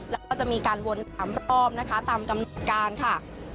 แล้วก็จะมีการวน๓รอบนะคะตามกำหนดการค่ะ